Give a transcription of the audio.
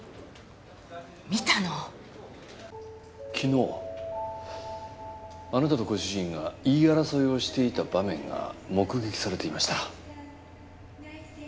見たの昨日あなたとご主人が言い争いをしていた場面が目撃されていました